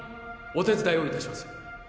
お手伝いをいたします